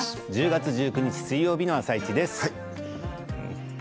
１０月１９日水曜日の「あさイチ」です。